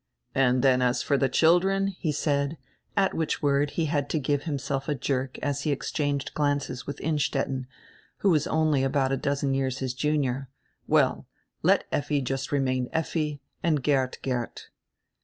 "And dien as for die children," he said — at which word he had to give himself a jerk as he exchanged gazes with Innstetten, who was only about a dozen years his junior — "well, let Effi just remain Effi, and Geert, Geert.